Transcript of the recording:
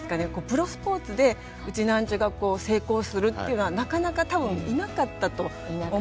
プロスポーツでうちなーんちゅが成功するっていうのはなかなか多分いなかったと思うんですよね。